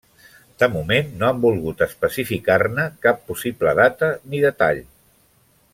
De moment no han volgut especificar-ne cap possible data ni detall.